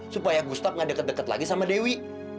supaya gustaf gak deket deket lagi sama dewi